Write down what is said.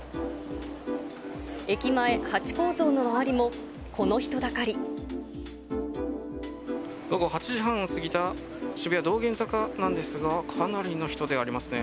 駅前、午後８時半を過ぎた渋谷・道玄坂なんですが、かなりの人出ありますね。